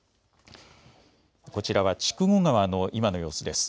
こちらは、筑後川の今の様子です。